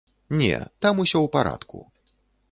Не, там усё у парадку.